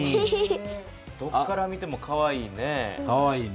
どっから見てもかわいいね。